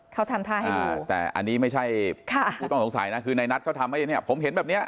เขาทำท่าให้ดีแต่อันนี้ไม่ใช่ผู้ต้องสงสัยนะคือในนัทเขาทำให้เนี่ยผมเห็นแบบเนี้ย